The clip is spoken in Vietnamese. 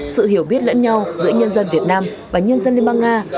sự hiểu biết lẫn nhau giữa nhân dân việt nam và nhân dân liên bang nga